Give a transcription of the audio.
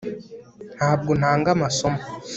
ntabwo ntanga amasomo